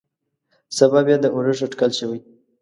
سبا بيا د اورښت اټکل شوى.